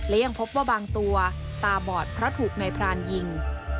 และยังพบว่าบางตัวตาบอดเพราะถูกนายพรานยิง